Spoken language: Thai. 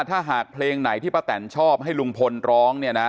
ถ้าหากเพลงไหนที่ป้าแตนชอบให้ลุงพลร้องเนี่ยนะ